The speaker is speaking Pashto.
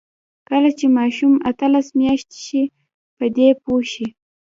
کله چې ماشوم اتلس میاشتنۍ شي، په دې پوه شي.